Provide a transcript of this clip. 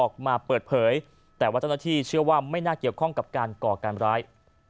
เกี่ยวข้องกับการก่อการร้าย